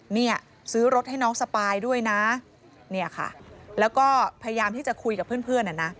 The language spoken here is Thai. เนี่ยซื้อรถให้น้องสปายด้วยนะเนี่ยค่ะแล้วก็พยายามที่จะคุยกับเพื่อนอ่ะนะ